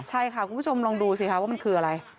ใช่ค่ะคุณผู้ชมลองดูสิคะว่ามันคืออะไร